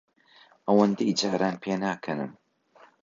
ئەوەندەی جاران پێناکەنم.